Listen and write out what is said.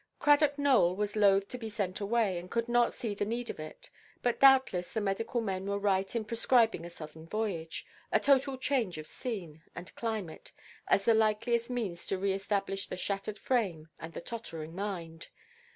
Cradock Nowell was loth to be sent away, and could not see the need of it; but doubtless the medical men were right in prescribing a southern voyage, a total change of scene and climate, as the likeliest means to re–establish the shattered frame and the tottering mind.